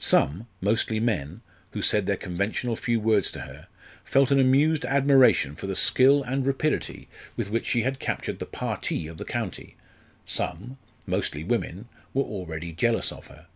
Some, mostly men, who said their conventional few words to her, felt an amused admiration for the skill and rapidity with which she had captured the parti of the county; some, mostly women, were already jealous of her.